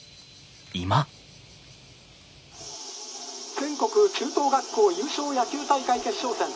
「全国中等学校優勝野球大会決勝戦。